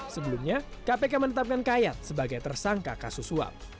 sebelumnya kpk menetapkan kayat sebagai tersangka kasus suap